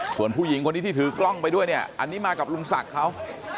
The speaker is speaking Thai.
ส่วนผู้หญิงคนนี้ที่ถือกล้องไปด้วยเนี่ยอันนี้มากับลุงศักดิ์เขา